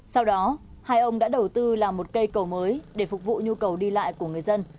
sau đó hai ông đã đầu tư làm một cây cầu mới để phục vụ nhu cầu đi lại của người dân